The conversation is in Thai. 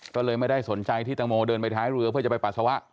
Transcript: ก็เลยไม่ได้สนใจที่ตังโมเดินไปท้ายเรือเพื่อจะไปปัสสาวะ